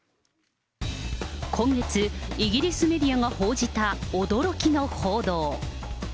今月、イギリスメディアが報じた驚きの報道。